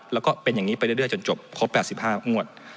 แล้วก็เป็นอย่างนี้ไปเรื่อยจนจบครบ๘๕งวด